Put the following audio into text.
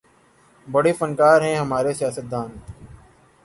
بڑے فنکار ہیں ہمارے سیاستدان